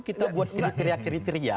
kita buat kriteria kriteria